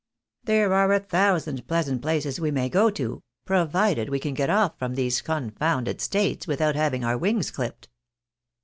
There are a thousand pleasant places we may go to, provided we can get off from these confounded States without having our wings clipped."